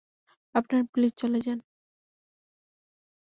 আপনারা প্লিজ চলে যান।